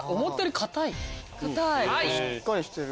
硬い。